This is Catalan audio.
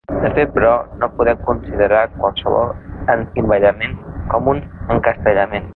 De fet, però, no podem considerar qualsevol encimbellament com un encastellament.